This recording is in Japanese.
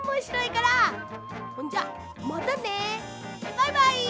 バイバイ！